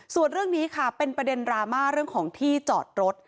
ส่วนเรื่องนี้ค่ะเป็นประเด็นดราม่าเรื่องของที่จอดรถ